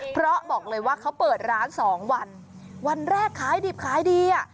เพราะบอกเลยว่าเค้าเปิดร้าน๒วันวันแรกคล้ายดิบคล้ายดี